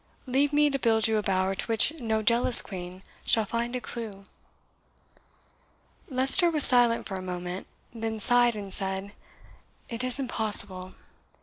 Leave me to build you a bower to which no jealous Queen shall find a clew." Leicester was silent for a moment, then sighed, and said, "It is impossible.